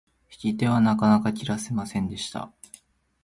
引き手はなかなか切らせませんでした。